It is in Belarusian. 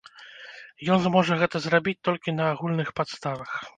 Ён зможа гэта зрабіць толькі на агульных падставах.